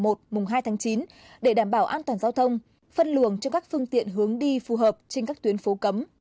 mùng hai tháng chín để đảm bảo an toàn giao thông phân luồng cho các phương tiện hướng đi phù hợp trên các tuyến phố cấm